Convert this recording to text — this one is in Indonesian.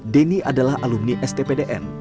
denny adalah alumni stpdn